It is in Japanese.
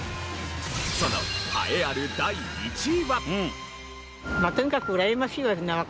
その栄えある第１位は。